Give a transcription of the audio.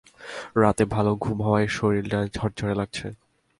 রাতে ভালো ঘুম হওয়ায় শরীরটা ঝরঝরে লাগছে।